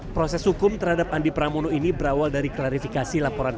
proses hukum terhadap andi pramono ini berawal dari klarifikasi laporan